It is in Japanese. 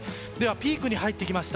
ピークに入ってきました